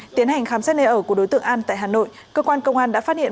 tiến hành khám xét nơi ở của đối tượng an tại hà nội cơ quan công an đã phát hiện